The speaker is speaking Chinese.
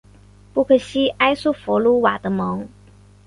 布克西埃苏弗鲁瓦德蒙。